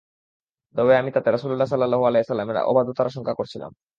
তবে আমি তাতে রাসূলুল্লাহ সাল্লাল্লাহু আলাইহি ওয়াসাল্লামের অবাধ্যতার আশঙ্কা করছিলাম।